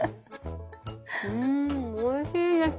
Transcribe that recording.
うんおいしいです。